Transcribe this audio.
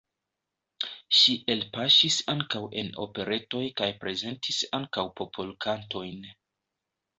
Ŝi elpaŝis ankaŭ en operetoj kaj prezentis ankaŭ popolkantojn.